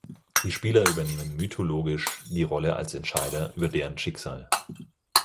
Die Spieler übernehmen mythologisch die Rolle als Entscheider über deren Schicksal.